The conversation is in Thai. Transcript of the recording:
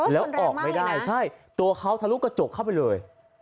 แล้วออกไม่ได้ใช่ตัวเขาทะลุกระจกเข้าไปเลย